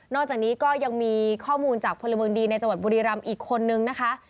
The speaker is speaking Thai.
จากนี้ก็ยังมีข้อมูลจากพลเมืองดีในจังหวัดบุรีรำอีกคนนึงนะคะ